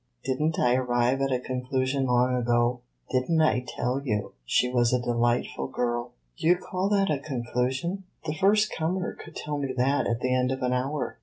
Did n't I arrive at a conclusion long ago? Did n't I tell you she was a delightful girl?" "Do you call that a conclusion? The first comer could tell me that at the end of an hour."